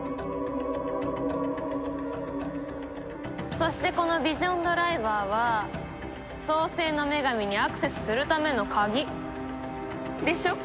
そしてこのヴィジョンドライバーは創世の女神にアクセスするための鍵でしょ？